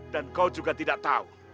dan kau juga tidak tahu